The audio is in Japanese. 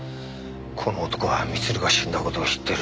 この男は光留が死んだ事を知ってる。